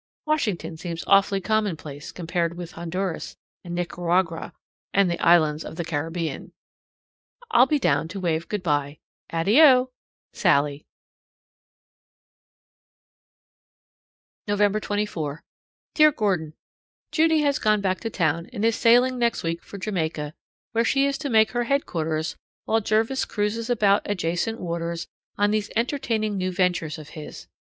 Washington seems awfully commonplace compared with Honduras and Nicaragua and the islands of the Caribbean. I'll be down to wave good by. ADDIO! SALLIE. November 24. Dear Gordon: Judy has gone back to town, and is sailing next week for Jamaica, where she is to make her headquarters while Jervis cruises about adjacent waters on these entertaining new ventures of his.